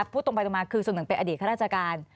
พูดตรงไปตรงมาคือเสมือนเป็นอดีตข้าราชการ